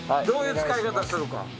どういう使い方するか。